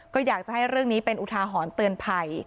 ก็อยากจะให้เรื่องนี้เป็นอุทาหรณ์เตือนภัย